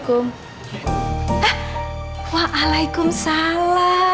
gak ada yang bisa mengantuskannya cuman